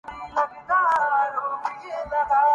برسوں ہوئے ہیں چاکِ گریباں کئے ہوئے